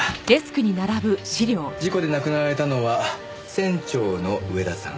事故で亡くなられたのは船長の上田さん。